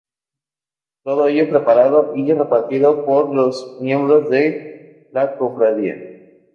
Todo ello preparado y repartido por los miembros de la Cofradía.